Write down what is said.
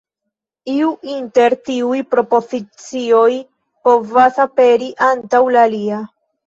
Iu inter tiuj propozicioj povas aperi antaŭ la alia.